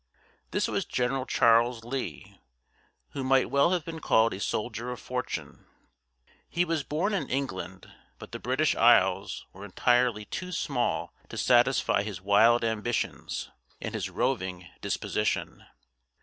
This was General Charles Lee, who might well have been called a soldier of fortune. He was born in England, but the British Isles were entirely too small to satisfy his wild ambitions and his roving disposition.